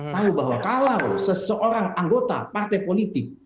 tahu bahwa kalau seseorang anggota partai politik